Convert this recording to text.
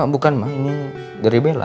bukan ma ini dari bela